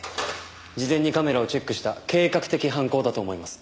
事前にカメラをチェックした計画的犯行だと思います。